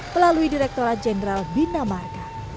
melalui direkturat jenderal bina marka